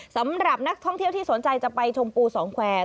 สำหรับนักท่องเที่ยวที่สนใจจะไปชมปูสองแควร์